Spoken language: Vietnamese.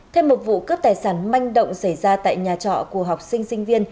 thêm một vụ cướp tài sản manh động xảy ra tại nhà trọ của học sinh sinh viên